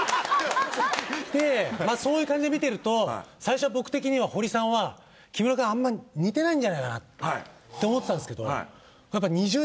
ってそういう感じで見てると最初は僕的にはホリさんは木村君あんま似てないんじゃないかなって思ってたんですけど。